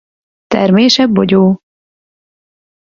Termése bogyó.